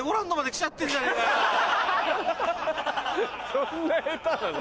そんな下手なの？